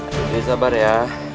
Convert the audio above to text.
jadi sabar ya